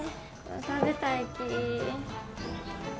食べたいき。